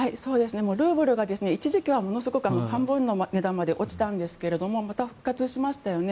ルーブルが、一時期はものすごく半分の値段まで落ちたんですがまた復活しましたよね。